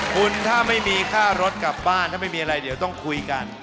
คุณถ้าไม่มีค่ารถกลับบ้านถ้าไม่มีอะไรเดี๋ยวต้องคุยกัน